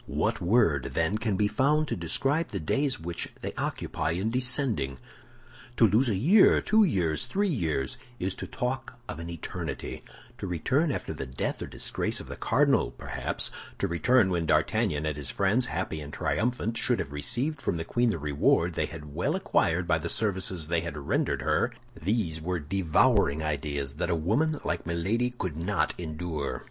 What word, then, can be found to describe the days which they occupy in descending? To lose a year, two years, three years, is to talk of an eternity; to return after the death or disgrace of the cardinal, perhaps; to return when D'Artagnan and his friends, happy and triumphant, should have received from the queen the reward they had well acquired by the services they had rendered her—these were devouring ideas that a woman like Milady could not endure.